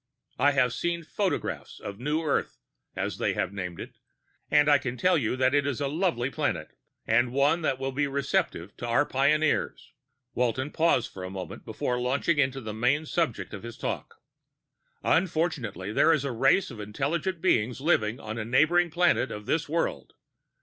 I have seen photographs of New Earth, as they have named it, and I can tell you that it is a lovely planet ... and one that will be receptive to our pioneers." Walton paused a moment before launching into the main subject of his talk. "Unfortunately, there is a race of intelligent beings living on a neighboring planet of this world.